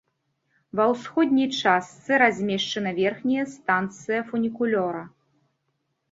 Ва ўсходняй частцы размешчана верхняя станцыя фунікулёра.